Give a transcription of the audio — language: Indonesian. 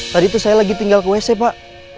tadi tuh saya lagi tinggal ke wc pak